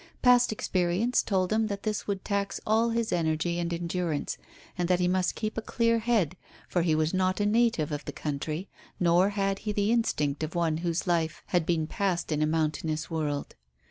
Past experience told him that this would tax all his energy and endurance, and that he must keep a clear head, for he was not a native of the country, nor had he the instinct of one whose life had been passed in a mountainous world.